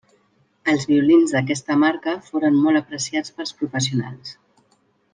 Els violins d'aquesta marca foren molt apreciats pels professionals.